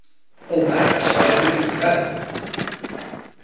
Ou para persoal en medio rural.